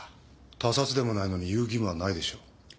他殺でもないのに言う義務はないでしょう。